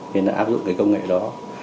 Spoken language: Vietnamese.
nên đã áp dụng công nghệ đó